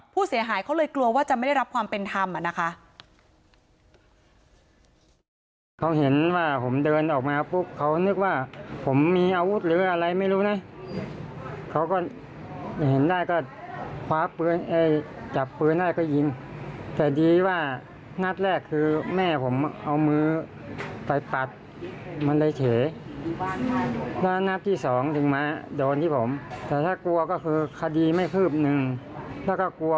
ผู้เสียหายเขาเลยกลัวว่าจะไม่ได้รับความเป็นธรรมนะคะ